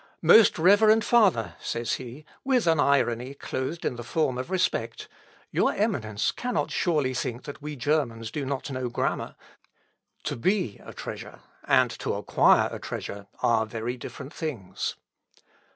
"Most reverend father!" says he, with an irony clothed in the form of respect, "your Eminence cannot surely think that we Germans do not know grammar; to be a treasure, and to acquire a treasure, are very different things."